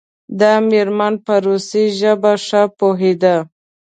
دا میرمن په روسي ژبه ښه پوهیده.